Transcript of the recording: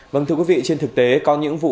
vâng thưa quý vị trên thực tế có những vụ